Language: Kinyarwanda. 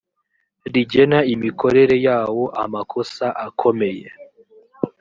rigena imikorere yawo amakosa akomeye